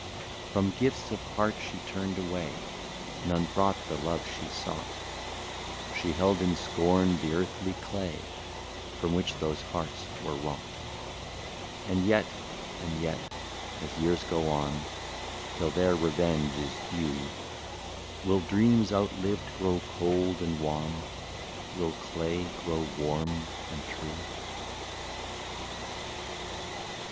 From gifts of heart she turned away, — None brought the love she sought ; She held in scorn the earthly clay, From which those hearts were wrought. And yet, and yet, as years go on, Till their revenge is due, Will dreams outlived grow cold and wan, Will clay grow warm and true